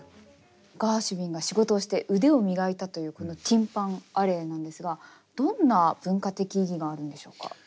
ガーシュウィンが仕事をして腕を磨いたというこのティン・パン・アレーなんですがどんな文化的意義があるんでしょうか？